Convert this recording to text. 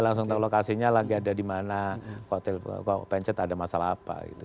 langsung tahu lokasinya lagi ada dimana kok pencet ada masalah apa